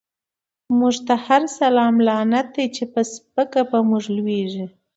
موږ ته هر سلام لعنت دی، چی په سپکه په موږ لويږی